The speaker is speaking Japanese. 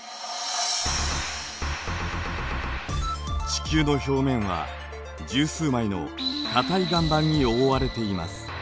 地球の表面は十数枚の硬い岩盤に覆われています。